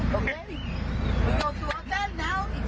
เป็นไงเป็นไง